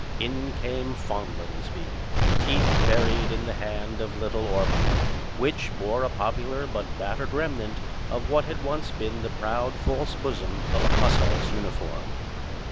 In came Fonlansbee, teeth buried in the hand of little Ormond, which bore a popular but battered remnant of what had once been the proud false bosom of a hussar's uniform.